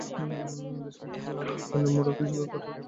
দেশে ও বিদেশে পণ্যের মোড়ক হিসেবে পাটের কদরের কথা আমাদের জানা।